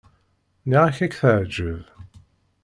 Nniɣ-ak ad k-teɛjeb.